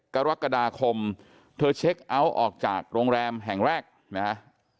กรกฎาคมเธอเช็คเอาท์ออกจากโรงแรมแห่งแรกนะฮะ